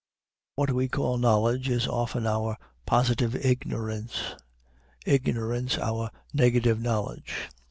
What we call knowledge is often our positive ignorance; ignorance our negative knowledge.